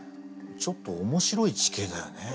ちょっと面白い地形だよね。